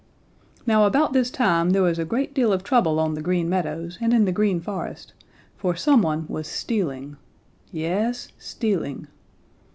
"Now about this time there was a great deal of trouble on the Green Meadows and in the Green Forest, for some one was stealing yes, stealing!